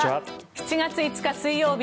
７月５日、水曜日